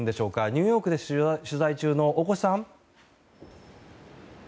ニューヨークで取材中の大越さん。